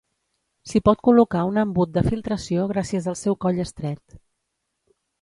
S'hi pot col·locar un embut de filtració gràcies al seu coll estret.